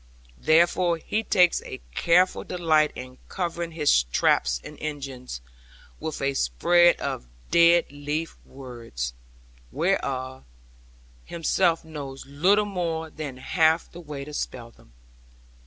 Therefore he takes a careful delight in covering his traps and engines with a spread of dead leaf words, whereof himself knows little more than half the way to spell them.